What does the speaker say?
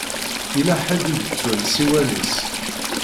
Yella ḥedd i yettun ssiwan-is.